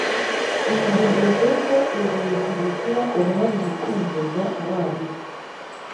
Ibi bivuze ko ibintu bigira uruhare mu kwinjiza abarimu